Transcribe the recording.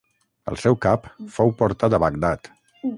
El seu cap fou portat a Bagdad.